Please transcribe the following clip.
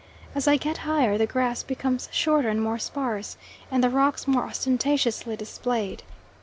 As I get higher, the grass becomes shorter and more sparse, and the rocks more ostentatiously displayed.